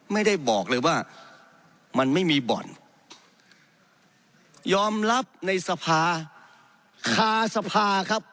ไม่ได้บอกเลยว่ามันไม่มีบ่อนยอมรับในสภาคาสภาครับ